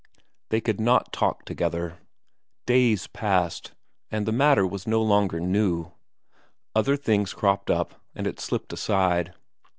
They could not talk together. Days passed, and the matter was no longer new; other things cropped up, and it slipped aside.